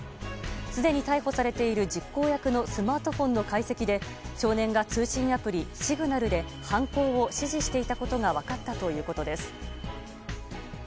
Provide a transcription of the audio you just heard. すでに逮捕されている実行役のスマートフォンの解析で少年が通信アプリ、シグナルで犯行を指示していたことが分かったということです。